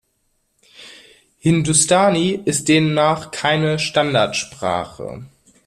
Hindustani ist demnach keine Standardsprache.